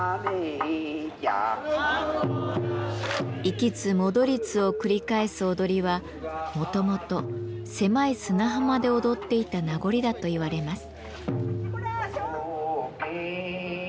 行きつ戻りつを繰り返す踊りはもともと狭い砂浜で踊っていた名残だといわれます。